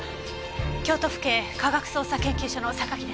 京都府警科学捜査研究所の榊です。